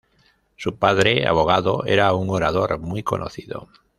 Su padre, abogado, era un orador muy conocido.